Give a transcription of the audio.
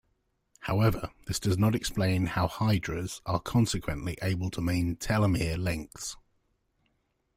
However, this does not explain how hydras are consequently able to maintain telomere lengths.